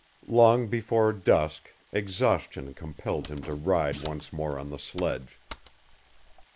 Long before dusk exhaustion compelled him to ride once more on the sledge.